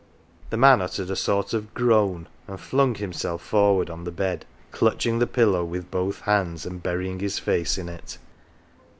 The man uttered a sort of groan and flung himself forward on the bed, clutching the pillow with both hands, and burying his face in it.